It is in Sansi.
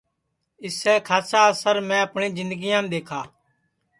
اِسے کھاسا اسر میں اپٹؔی جِندگیام دؔیکھا